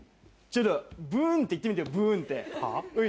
ちょっとブーンって言ってみてよブーンって。